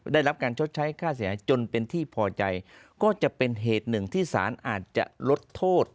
ได้รับการชดใช้ค่าเสียหายจนเป็นที่พอใจก็จะเป็นเหตุหนึ่งที่สารอาจจะลดโทษ